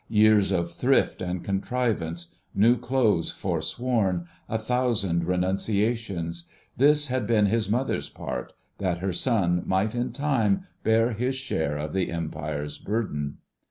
Years of thrift and contrivance, new clothes foresworn, a thousand renunciations—this had been his mother's part, that her son might in time bear his share of the Empire's burden.